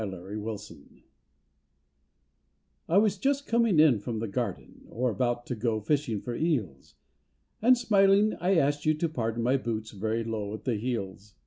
OLD CLO' I WAS just coming in from the garden, Or about to go fishing for eels, And, smiling, I asked you to pardon My boots very low at the heels.